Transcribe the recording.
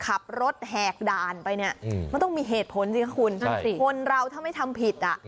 ขับรถแหกด่านไปเนี่ยมันต้องมีเหตุผลสิคะคุณคนเราถ้าไม่ทำผิดอ่ะ